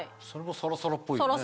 サラサラっぽいよね。